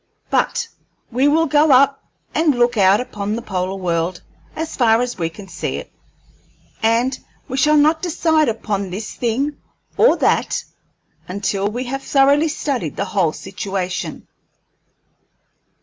But we will go up and look out upon the polar world as far as we can see it, and we shall not decide upon this thing or that until we have thoroughly studied the whole situation.